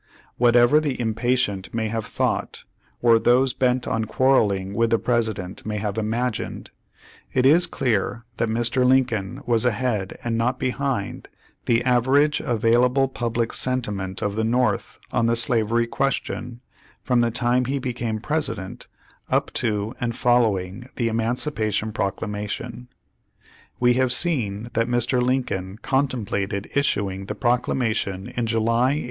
Whatever the impatient may have thought, or those bent on quarreling with the President may have imagined, it is clear that Mr. Lincoln was ahead and not behind the average available public sentiment of the North on the slavery question from the time he became Presi dent, up to and following the Emancipation Proc lamation. We have seen that Mr. Lincoln contemplated is suing the Proclamation in July 1862.